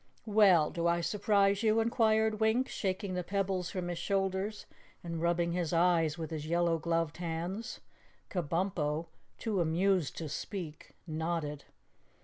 "Well, do I surprise you?" inquired Winks, shaking the pebbles from his shoulders and rubbing his eyes with his yellow gloved hands. Kabumpo, too amused to speak, nodded.